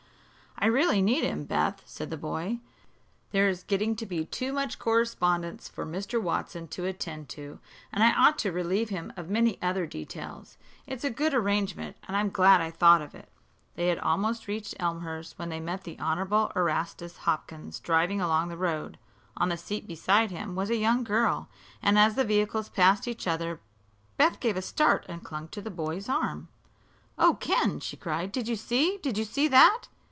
"I really need him, Beth," said the boy. "There is getting to be too much correspondence for Mr. Watson to attend to, and I ought to relieve him of many other details. It's a good arrangement, and I'm glad I thought of it." They had almost reached Elmhurst when they met the Honorable Erastus Hopkins driving along the road. On the seat beside him was a young girl, and as the vehicles passed each other Beth gave a start and clung to the boy's arm. "Oh, Ken!" she cried, "did you see? Did you see that?"